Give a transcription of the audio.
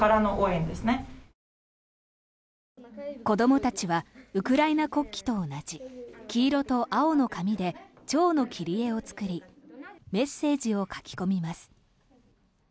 子どもたちはウクライナ国旗と同じ黄色と青の紙でチョウの切り絵を作りメッセージを書き込みます。